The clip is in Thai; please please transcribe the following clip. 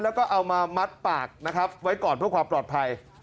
แล้วก็เอามามัดปากนะครับไว้ก่อนเพื่อความปลอดภัย